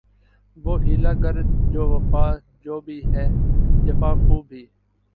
وہ حیلہ گر جو وفا جو بھی ہے جفاخو بھی